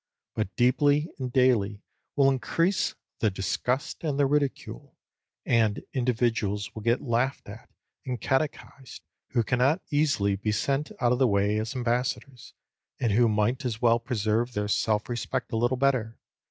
But deeply and daily will increase the disgust and the ridicule; and individuals will get laughed at and catechised who cannot easily be sent out of the way as ambassadors, and who might as well preserve their self respect a little better.